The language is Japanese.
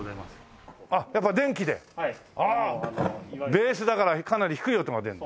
ベースだからかなり低い音が出るんだ。